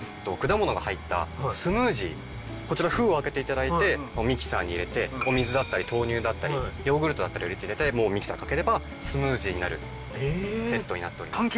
こちら封を開けて頂いてミキサーに入れてお水だったり豆乳だったりヨーグルトだったりを入れてもうミキサーにかければスムージーになるセットになっております。